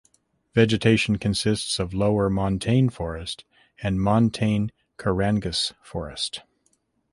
Vegetation consists of lower montane forest and montane kerangas forest.